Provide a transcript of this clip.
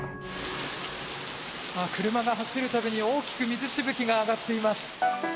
車が走る度に大きく水しぶきが上がっています。